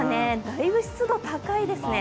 だいぶ湿度高いですね。